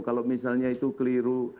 kalau misalnya itu keliru